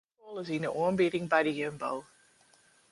De blomkoal is yn de oanbieding by de Jumbo.